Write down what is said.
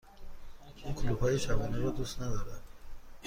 او کلوپ های شبانه را دوست ندارد.